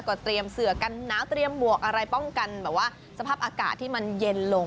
ก็เตรียมเสือกันหนาวเตรียมหมวกอะไรป้องกันแบบว่าสภาพอากาศที่มันเย็นลง